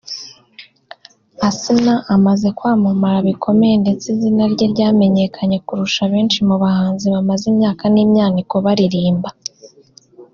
Asinah amaze kwamamara bikomeye ndetse izina rye ryamenyekanye kurusha benshi mu bahanzi bamaze imyaka n’imyaniko baririmba